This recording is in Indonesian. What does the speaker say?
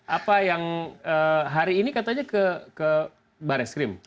apa yang hari ini katanya ke bareskrim